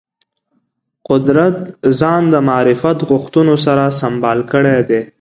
قدرت ځان د معرفت غوښتنو سره سمبال کړی دی